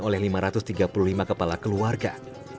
oleh lima ratus tiga puluh lima kepala keluarga